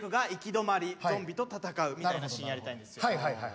ゾンビと戦うみたいなシーンやりたいんですよ。